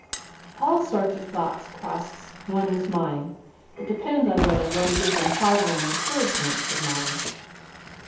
"All sorts of thoughts cross one's mind it depends upon whether one gives them harbour and encouragement," said Molly.